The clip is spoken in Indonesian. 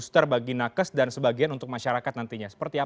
saya pertama mengapresiasi gerak cepat pemerinta untuk segera